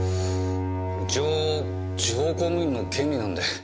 一応地方公務員の権利なんで。